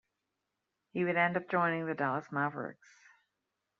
He would end up joining the Dallas Mavericks.